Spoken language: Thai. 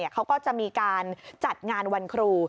เขาก็จะมีการจัดงานวันครู